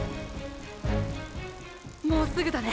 もうすぐだね。